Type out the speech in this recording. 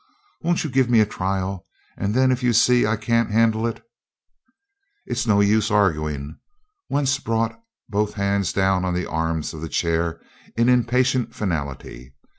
Won't you give me a trial, and then if you see I can't handle it " "It's no use arguin'." Wentz brought both hands down on the arms of the chair in impatient finality.